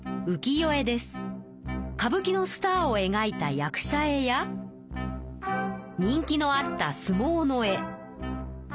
歌舞伎のスターを描いた役者絵や人気のあった相撲の絵。